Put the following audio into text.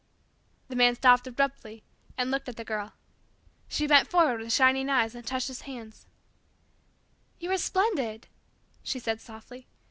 The Young Man stopped abruptly, and looked at the Girl. She bent forward with shining eyes, and touched his hand. "You are splendid," she said softly.